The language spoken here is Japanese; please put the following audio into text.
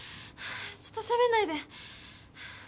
ちょっとしゃべんないで。